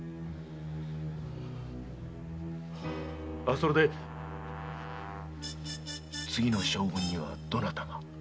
それで次の将軍にはどなたが？